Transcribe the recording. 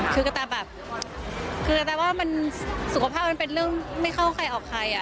คือคุณตาแบบสุขภาพมันเป็นเรื่องไม่เข้าใครออกใคร